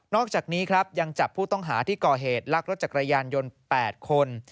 อกจากนี้ครับยังจับผู้ต้องหาที่ก่อเหตุลักรถจักรยานยนต์๘คน